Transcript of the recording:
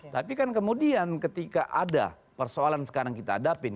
tapi kan kemudian ketika ada persoalan sekarang kita hadapin